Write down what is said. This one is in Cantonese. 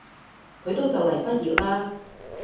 佢都就嚟畢業喇